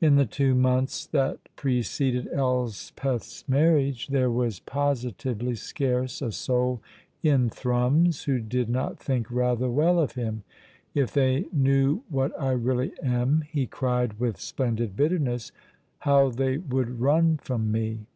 In the two months that preceded Elspeth's marriage there was positively scarce a soul in Thrums who did not think rather well of him. "If they knew what I really am," he cried with splendid bitterness, "how they would run from me!"